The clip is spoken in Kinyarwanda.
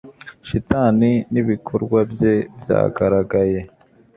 shitani n'ibikorwa bye byagaragaye